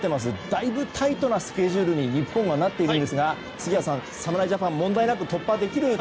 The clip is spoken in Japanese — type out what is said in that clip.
だいぶタイトなスケジュールに日本はなっていますが杉谷さん、侍ジャパンは問題なく突破できる？